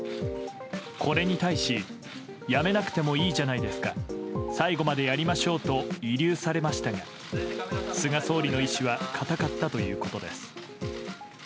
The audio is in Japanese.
これに対し、辞めなくてもいいじゃないですか、最後までやりましょうと慰留されましたが、菅総理の意思は固かったということです。